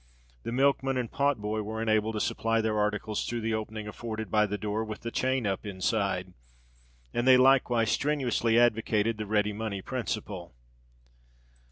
The milkman and pot boy were enabled to supply their articles through the opening afforded by the door with the chain up inside; and they likewise strenuously advocated the ready money principle.